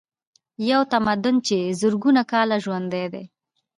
یو تمدن چې زرګونه کاله ژوندی دی.